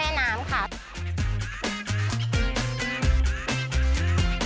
ไม่รอชาติเดี๋ยวเราลงไปพิสูจน์ความอร่อยกันครับ